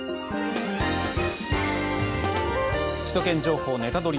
「首都圏情報ネタドリ！」